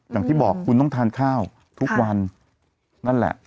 อย่างที่บอกคุณต้องทานข้าวทุกวันนั่นแหละ